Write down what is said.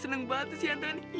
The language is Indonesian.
seneng banget sih ya tony